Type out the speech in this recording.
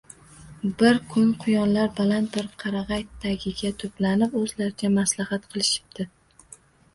Bir kun quyonlar baland bir qarag’ay tagiga to’planib o’zlaricha maslahat qilishibdi